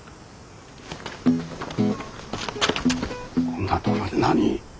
こんなところで何？